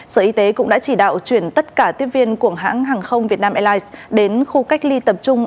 sở y tế cũng đã chỉ đạo chuyển tất cả tiếp viên của hãng hàng không việt nam airlines đến khu cách ly tập trung